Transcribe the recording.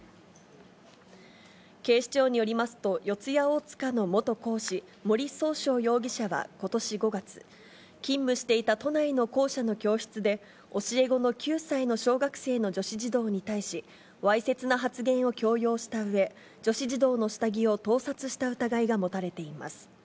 警視庁によりますと、四谷大塚の元講師、森崇翔容疑者はことし５月、勤務していた都内の校舎の教室で、教え子の９歳の小学生の女子児童に対し、わいせつな発言を強要したうえ、女子児童の下着を盗撮した疑いが持たれています。